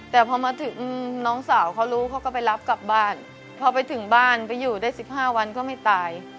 แต่พอมาถึงน้องสาวเขารู้เขาก็ไปรับกลับบ้านพอไปถึงบ้านไปอยู่ได้๑๕วันก็ไม่ตาย